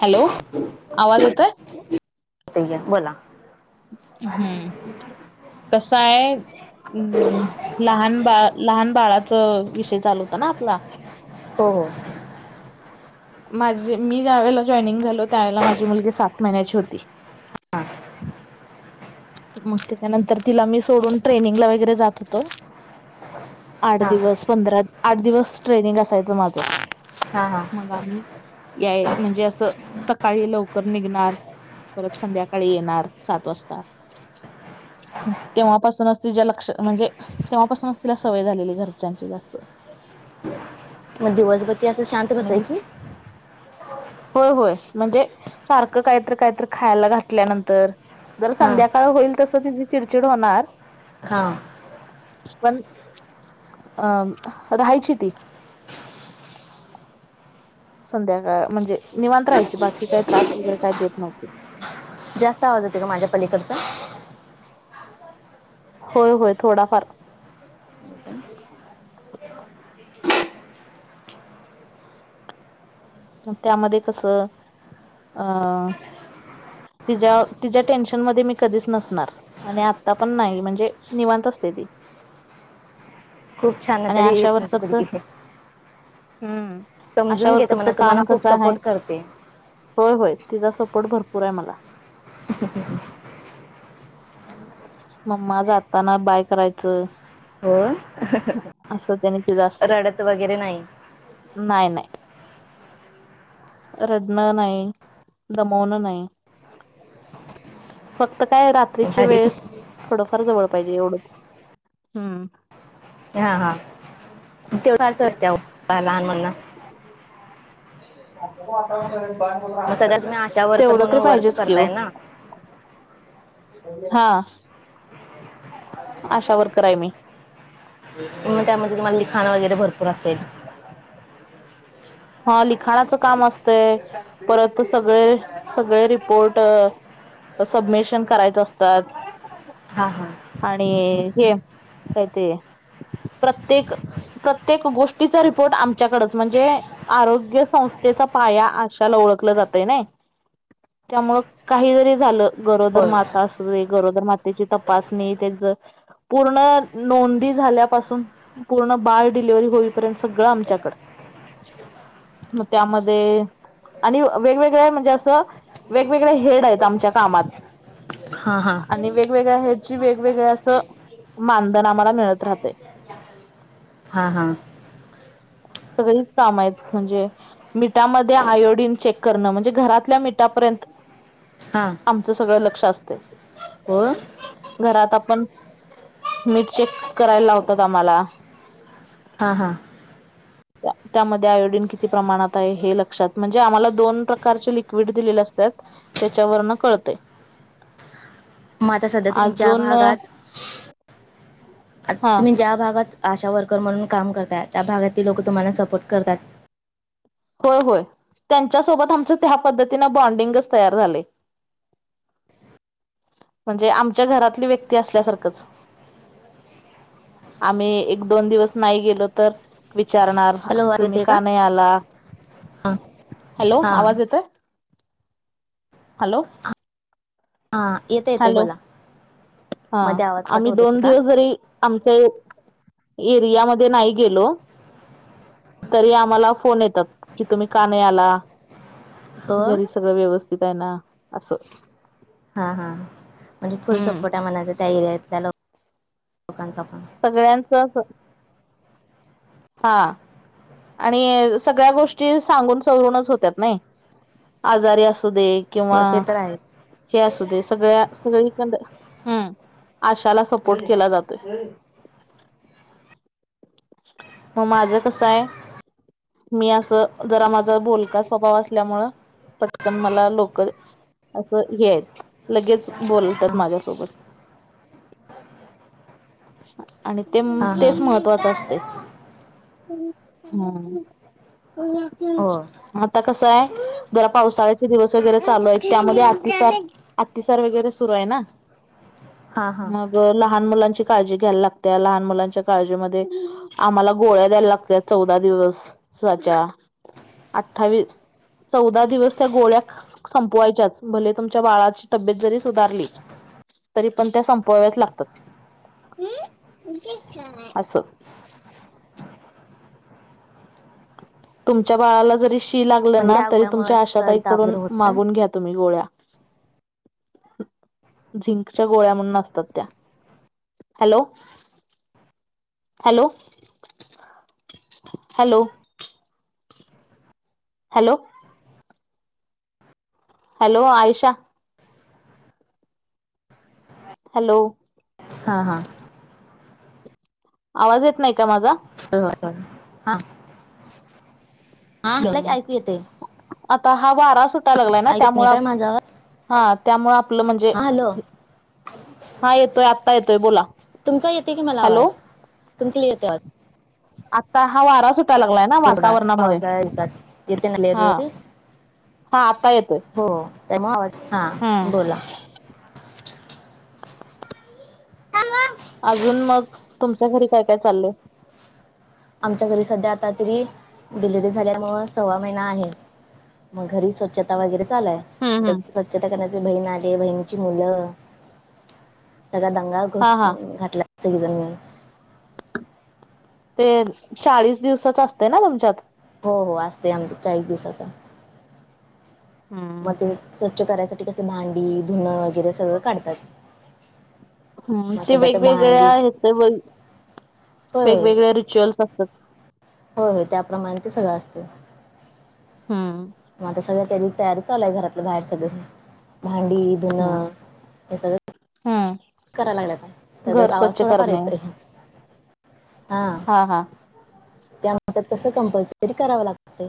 Hello आवाज येतोय. होते बोला. कश्या आहे. उमं लहान बाळ, लहान बाळाच विषय चालू होता ना आपला. हो, हो! माझ मी ज्या वेळेला जॉइनिंग झालो, त्यावेळेला माझी मुलगी सात महिन्याची होती. [inaudible] मग त्याच्यानंतर तिला मी सोडून, ट्रेनिंगला वगैरे जात होतो. आठ हां दिवस, पंधरा आठ दिवस ट्रेनिंग असायचं माझं. हां हां. मग आम्ही याय म्हणजे असं सकाळी लवकर निघणार. परत संध्याकाळी येणार सात वाजता. तेव्हापासूनच तिच्या लक्ष, म्हणजे तेव्हापासूनच तिला सवय झालेली घरच्यांची जास्त. म दिवसभ ती असं शांत आणि मी बसायची. होय, होय म्हणजे सारखं काहीतरी, काहीतरी खायला घातल्यानंतर. जर हां संध्याकाळ होईल तस तिची चिडचिड होणार. हा! पण अ राहायची ती. संध्याकाळ म्हणजे, निवांत राहायची बाकी काही त्रास वगैरे काय देत नव्हती. जास्त आवाज येते का, माझ्या पलीकडचा. होय, होय थोडा फार. [inaudible] त्यामध्ये कसं अ! तिच्या-तिच्या टेन्शन मध्ये मी कधीच नसणार. आणि आता पण नाही, म्हणजे निवांत असते ती. खूप छान आणि तरी नंतर ही [unintelligible] हूं! समजून घेते म्हना, तुम्हाला खूप सपोर्ट करते. होय, होय तिचा सपोर्ट भरपूर आहे मला. मम्मा जाताना बाय करायचं. होय. असं त्यानी ते जास. रडत वगैरे नाही. नाय, नाय. रडणं नाही, दमवणं नाही. फक्त काय रात्रीच्या अरे वेळेस, थोडंफार जवळ पाहिजे एवढं हूं. हा, हा तेवा असं असते आओ लहान मुला [unintelligible] मग सध्या तुम्ही आशा वर्कर तेवढं तरी म्हणून वर्क पाहिजेच की ओ करताय ना हा आशा वर्कर आहे मी. मग त्यामध्ये तुम्हाला लिखाणं वगैरे भरपूर असेल? हा लिखाणाचं काम असतंय परत सगळे-सगळे रिपोर्ट सबमिशन करायचे असतात. हा-हा, आणि हे काय ते प्रत्येक-प्रत्येक गोष्टीचा रिपोर्ट आमच्याकडच म्हणजे आरोग्य संस्थेचा पाया आशाला ओळखलं जातय नाई. त्यामुळं काही जरी झालं गरोदर होय माता अस गरोदर मातेची तपासणी त्यांच पूर्ण नोंदी झाल्यापासून पूर्ण बाळ डिलिव्हरी होईपर्यंत सगळं आमच्याकड मग त्यामध्ये आणि वेगवेगळ्या म्हणजे असं वेगवेगळे हेड आहेत आमच्या कामात हां हां आणि वेगवेगळ्या ह्याची वेगवेगळ असं मानधन आम्हाला मिळत राहतयं. हा-हा-हा, सगळीच काम आहेत म्हणजे मिठामध्ये आयोडीन चेक करणं म्हणजे घरातल्या मिठापर्यंत हा, आमचं सगळं लक्ष असतयं. होय. घरात आपण मीठ चेक करायला लावतात आम्हाला. हा-हा, त्यामध्ये आयोडीन किती प्रमाणात आहे हे लक्षात म्हणजे आम्हाला दोन प्रकारचे लिक्विड दिलेली असतात. त्यांच्यावरन कळतंय मग आता सध्या तुम्ही ज्या अजून भागात आ हा तुम्ही ज्या भागात आशा वर्कर म्हणून काम करताय त्या भागातील लोक तुम्हाला सपोर्ट करतात. होय-होय, त्यांच्यासोबत आमचं त्या पद्धतीनं बॉन्डिंगच तयार झालंय‌. म्हणजे आमच्या घरातली व्यक्ती असल्यासारखंच. आम्ही एक-दोन, दिवस नाही गेलो तर विचारणार हॅलो! अवाज तुम्ही येतो का? नाही आला हा, हॅलो! आवाज येतोय? हॅलो! हा येतोय. हॅलो! हा, आवाज कट आम्ही होत दोन होता दिवस जरी आमच्या एरियामध्ये नाही गेलो तरी आम्हाला फोन येतात की तुम्ही का नाही आला? हो घरी सगळं व्यवस्थित आहे ना असं. हा-हा, म्हणजे फुल हम्म सपोर्ट आहे म्हणाचा त्या एरियातल्या लोकांचा पण. सगळ्यांचं अस हां. आणि सगळ्या गोष्टी सांगून सवरूनच होतात नाही आजारी असं असं दे किंवा हो ते तर आहेच हे असू दे सगळ्या सगळीकडन हम्म आशाला सपोर्ट केला जातोय. मग माझं कसं आहे मी असं जरा माझ बोलका स्वभाव असल्यामुळ पटकन मला लोक असं हे आहेत. लगेच बोलतात हां माझ्यासोबत. आणि ते हां हां तेच महत्वाचं असतय. हम्म. हो आता कसंय, जरा पावसाळ्याचे दिवस वगैरे चालूये. त्यामध्ये अतिसार अतिसार वगैरे सुरूय ना. हां हां मग लहान मुलांची काळजी घ्यायला लागते. लहान मुलांच्या काळजी मध्ये आम्हाला गोळ्या द्यायला लागतात. चौदा दिवसाच्या. अठ्ठावीस चौदा दिवस त्या गोळ्या संपवायच्याच. भले तुमच्या बाळाची तब्येत जरी सुधारली, तरी पण त्या संपवाव्याच लागतात. अस. तुमच्या बाळाला जरी शी लागलं म्हणजे ना, त्या तरी गोळ्यामुळे तुमच्या चल ताप आशाताईकडून वगैरे होत काय मागून घ्या. तु्ही गोळ्या. झिंकच्या गोळ्या म्हणून असतात त्या. Hello. Hello. Hello. Hello. Hello Ayusha. Hello. हा हा. आवाज येत नाही का माझा? हो हो. [unintelligible] हा हम्म ऐकू येतय. आता हा वारा सुटा लागलाय ना त्यामुळ, काय माझा आवाज ह त्यामुळ आपलं म्हणजे हां हॅलो हां येतोय. आत्ता येतोय बोला. तुमचां येते की मला हॅलो आवाज. तुमचां येत [unintelligible] आता हां वारा सुटाय लागलायं नां कोरडा वातावरणामुंळे. पावसाळ्या दिवसात येते ना लेअर ह. व्यवस्थित हां आता येतोय. हो त्यामुंळे आवाज. हां हम्म बोला. त्याला [unintelligible] ब अजूंन मगं, तुमच्यां घरी कायं कायं चाललंय? आमच्या घरी संध्या आता तरी, डिलेवरी झाल्यामुळं सव्वा महिना आहे. मगं घरी स्वच्छता वगैरें चालुय. हम्म हम्म स्वच्छता करण्याचे. बहीण आलीय. बहीणची मुलं. सगळा दंगा ग हा हा घातला. सगळेजन मिळून. ते चाळीस दिवसांच असतय नां तुमच्यांत? हो हो असतय आमच्याछ चाळीस दिवसांच. हम्म म ते स्वच्छ करायसाठी कसं, भांडी धुणं वगैरें सगळं काढतात. हम्मं मग ते सध्या तर वेगवेगळ्या भांडी ह्यांचं व, होय होय वेगवेगळ्या रिच्युअल्स असतांत. होय होय त्याप्रमाणें ते सगळं असत. हम्मं. मगं आता सगळ्यां त्यांची तयारी चालूंय. घरातलं बाहेर सगळं. भांडी, धुणं हे सगळं हम्मं. कराय लागलात. त्यांचाच आवाज थोडा फार येतोय. हां. हां हां. ते आमच्यात कसं, कंपल्सरी करावं लागतय.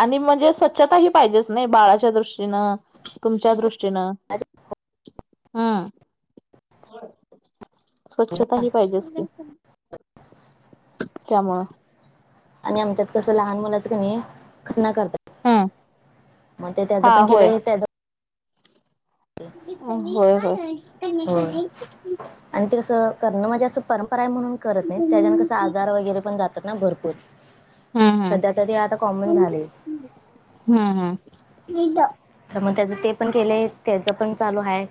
आणि म्हणजे स्वच्छता ही पाहिजेच नाहीं. बाळांच्या दृष्टीनं. तुमच्या दृष्टीनं. हम्मं. [inaudible] स्वच्छता ही पाहिजेचं की त्यामुळ आणि आमच्यात कसं लहान मुलाचं कणी खतना करतात. हा. म ते त्याज पण केलय त्याज अ होय होय. होय आणि ते कसं करणं म्हणजे असं परम परा आहे म्हणून करत नईत त्याज्यान हम्म कसं आजार वगैरे पण जातात ना भरपूर सध्या तर ते आता कॉमन झाले. हा हा [unintelligible] तर मग त्याज ते पणं केलेय त्याज पण चालू हाय,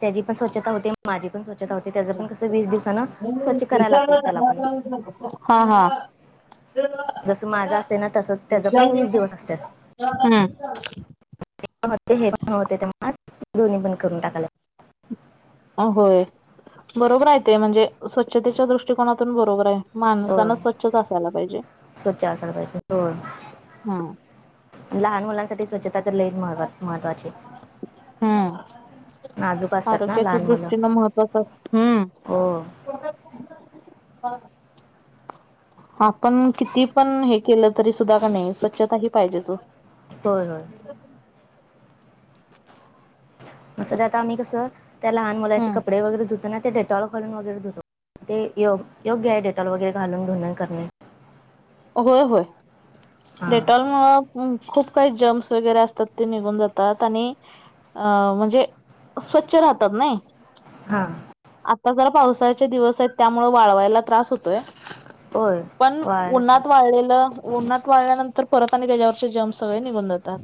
त्याजी पण स्वच्छता होते. माझी पण स्वच्छता होते त्याज पण कसं वीस दिवसान स्वच्छ करायलाच लागतय त्याला पण हा हा जसं माझं असतय ना, तसं त्याज पण वीस दिवस असत्यात. [unintelligible] हा. हा ते हे पणं होते [unintelligible] दोन्ही पण करून टाका लाग अ होय बरोबर आय ते म्हणजे स्वच्छतेच्या दृष्टकोनांतून बरोबराय हो माणसानं स्वच्छच असायला पाहिजे स्वच्छ असायला पाहिजे हो हा लहान मुलांसाठी स्वच्छ [unintelligible] हा. नाजूक असतात ना आरोग्याच्यां लहान मुलं दृष्टीनं महत्वाचं अस, हम्म हो [unintelligible] आपणं किती पणं हे केलं तरी सुद्धा कणी स्वच्छता ही पाहिजेच ओ होय होय. [inaudible] मस [unintelligible] दे आता आम्ही कस त्या लहान मुलाचे कपडे वगैरे धूतो ना ते डे टॉल घालून वगैरे घालून धुतो, ते यो योग्य आहे डेटॉल वगैरे घालून धुण करणे. अ होय होय, हा डेटॉल मूळ [unintelligible] खूप काही जम्स वगैरे असतात ते निघून जातात आणि अ म्हणजे स्वच्छ राहतात नई. हा. आता जरा पावसाळ्याचे दिवस आहेत त्यामुळ वाळवायला त्रास होतोय. होय पण वाळायला उन्हात त्रास हो वाळलेलं उन्हात वाळल्यानंतर परत आणि त्याज्यावरचे जम्स सगळे निघून जातात.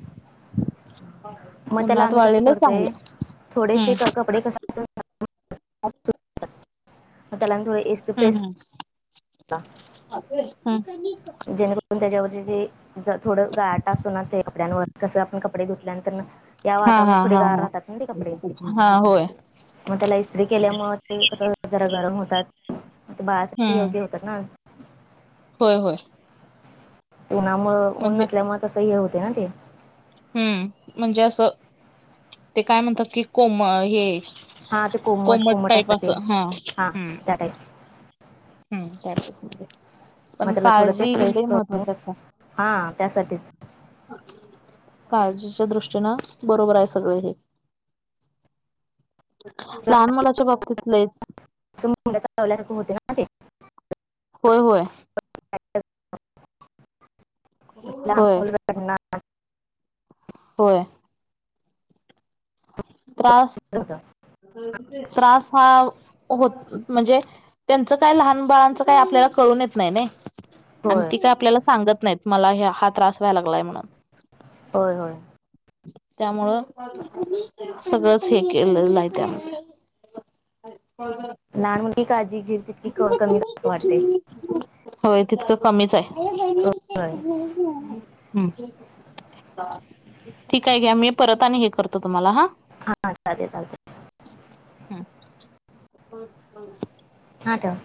मग त्याला उन्हात आम्ही कसं वाळलेलं करतोय चांगलं, हम्म [unintelligible] म तेला आणि थोड येस हम्म हम्म [unintelligible] हं जेणे कु पण त्याज्यावरच जे ज थोडं गाहाठा असतो ना ते कपड्यांवर कसं आपणं कपडे घुतल्यानंतरन या हा वातावरणात हा थोडी हा गार हा. राहतात ना ते कपडे हा होय. मग त्याला इस्त्री केल्यामुळ ते अस जरा गरम होतात, ते बाळासाठी हम्म योग्य होतात ना होय होय. ऊनामुळ ऊन म्हणजे नसल्यामुळ तस हे होतय ना ते हम्म म्हणजे असं ते काय म्हणतात की कोम अ हे हां ते कोमट टाईप असतात ते असं हा हां हम्म त्या टाईप हम्म त्यातच [unintelligible] मग पण त्याला थोडं काळजी ते ही प्रेस लय करून महत्वाची असत्या. हां त्यासाठीच काळजीच्या दृष्टीनं बरोबर हाय सगळ हे. लहान मुलाच्या बाबतीत लय अस मुंग्या चावल्यासारखं होतय ना ते. होय-होय, लहान होय मुलगा रडणार होय, त्रास [unintelligible] त्रास हा होत म्हणजे त्यांचं काय लहान बाळांचं काय आपल्याला कळून येत नाही नई. आणि होय ती काय आपल्याला सांगत नाहीत मला हा त्रास व्हाय लागलाय म्हणून. होय-होय, त्यामुळं सगळंच हे केलेल आहे त्याचं [unintelligible] लहान मुलांची काळजी घेईल तितकी क कमी असं वाटतंय. होय, तितकं कमीच आहे. होय हम्म, ठीक आहे घ्या, मी परत आणि हे करतो तुम्हाला हा हां चालते चालते हम्म, हा ठेवा.